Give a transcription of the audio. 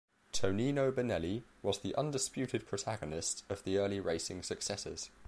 Tonino Benelli was the undisputed protagonist of the early racing successes.